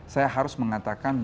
saya harus mengatakan